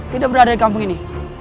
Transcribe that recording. kita berada di kampung ini